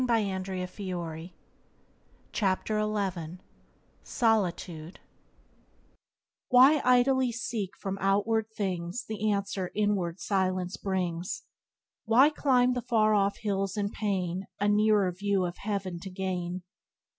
Byways to Blessedness by James Allen 55 Solitude "Why idly seek from outward things The answer inward silence brings? Why climb the far off hills with pain, A nearer view of heaven to gain?